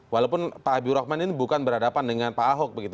walaupun pak habibur rahman ini bukan berhadapan dengan pak ahok begitu